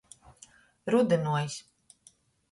Rudynuojs.